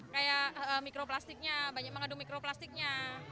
kayak mikroplastiknya banyak mengandung mikroplastiknya